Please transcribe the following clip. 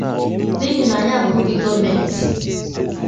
n'ihi na anyị abụghị gọọmentị